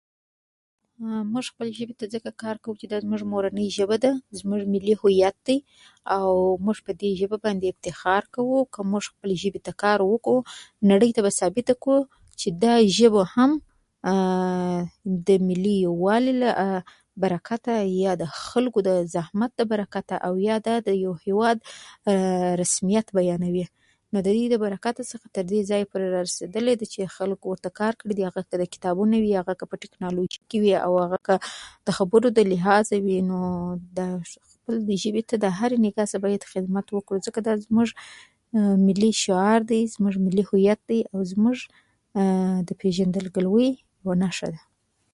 موږ خپلې ژبې ته ځکه کار کوو چې دا زموږ مورنۍ ژبه ده، زموږ ملي هویت دی، او موږ په دې ژبه باندې افتخار کوو. خو که موږ خپلې ژبې ته کار وکړو، نو نړۍ ته به ثابته کړو چې دا ژبه هم د ملي یووالي له برکته، یا د خلکو زحمت برکته، یا د یو هېواد رسمیت بیانوي. نو د دې د برکته څخه تر دې ځایه رسېدلې ده چې خلکو ورته کار کړی دی، که هغه په کتابونو وي، که هغه په ټکنالوژي وي، او هغه که د خبرو له لحاظه وي. نو دا [unintelligible] خپلې ژبې ته د هرې نګاه څخه خدمت وکړو، ځکه دا زموږ ملي شعار دی، ملي هویت او زموږ د پېژندګلوۍ یوه نښه ده.